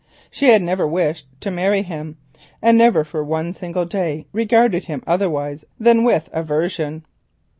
She had never wished to marry him, and never for one single day regarded him otherwise than with aversion.